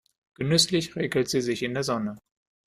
Genüsslich räkelt sie sich in der Sonne.